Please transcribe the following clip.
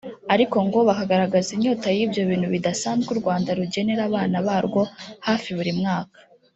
ariko ngo bakagaragaza inyota y’ibyo bintu bidasanzwe u Rwanda rugenera abana barwo hafi buri mwaka